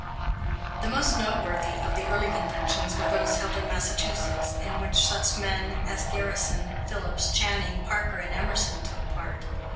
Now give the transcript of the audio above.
The most noteworthy of the early conventions were those held in Massachusetts, in which such men as Garrison, Phillips, Channing, Parker, and Emerson took part.